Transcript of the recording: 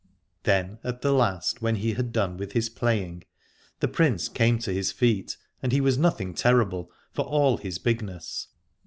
Then at the last, when he had done with his playing, the Prince came to his feet, and he was nothing terrible, for all his bigness.